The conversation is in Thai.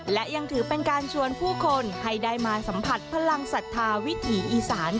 และยังถือเป็นการชวนผู้คนให้ได้มาสัมผัสพลังศรัทธาวิถีอีสาน